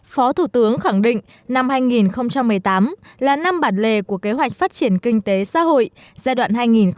phó thủ tướng khẳng định năm hai nghìn một mươi tám là năm bản lề của kế hoạch phát triển kinh tế xã hội giai đoạn hai nghìn một mươi sáu hai nghìn hai mươi